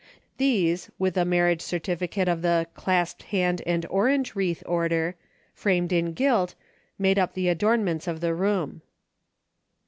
These with a marriage certificate of the clasped hand and orange wreath order, framed in gilt, made up the adornments of the room.